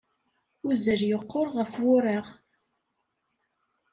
Uzzal yeqqur ɣef wureɣ.